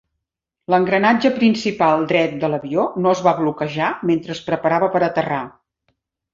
L'engranatge principal dret de l'avió no es va bloquejar mentre es preparava per aterrar.